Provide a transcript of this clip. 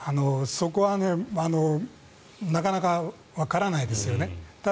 そこはなかなかわからないですよね。